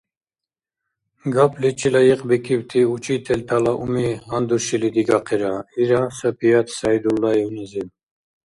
— Гапличи лайикьбикибти учителтала уми гьандушили дигахъира, — ира Сапият СягӀидуллаевнази.